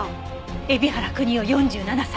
「海老原邦夫４７歳」